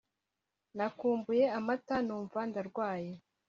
Nakumbuye amata numva ndarwaye